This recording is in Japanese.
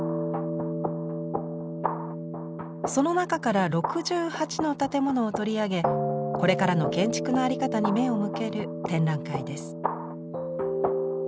その中から６８の建物を取り上げこれからの建築の在り方に目を向ける展覧会です。